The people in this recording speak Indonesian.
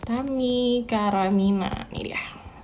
ini karamina ini dia